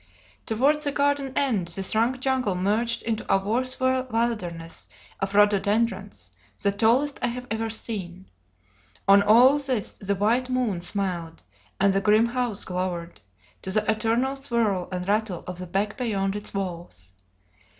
Towards the garden end this rank jungle merged into a worse wilderness of rhododendrons, the tallest I have ever seen. On all this the white moon smiled, and the grim house glowered, to the eternal swirl and rattle of the beck beyond its walls.